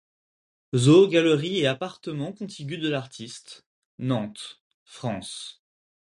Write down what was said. Zoo galerie et appartement contigu de l’artiste, Nantes, France.